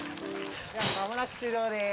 間もなく終了です。